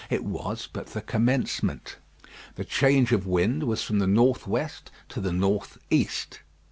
It was but the commencement. The change of wind was from the north west to the north east.